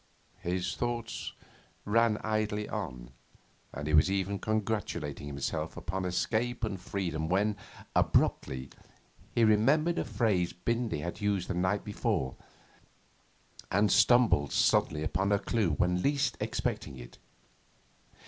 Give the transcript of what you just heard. His thoughts ran idly on; and he was even congratulating himself upon escape and freedom when, abruptly, he remembered a phrase Bindy had used the night before, and stumbled suddenly upon a clue when least expecting it.